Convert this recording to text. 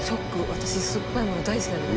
私すっぱいもの大好きなのに。